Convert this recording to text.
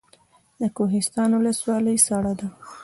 د کوهستان ولسوالۍ سړه ده